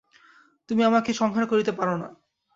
তুমি আমাকে সংহার করিতে পার না।